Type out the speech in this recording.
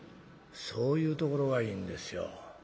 「そういうところがいいんですよ。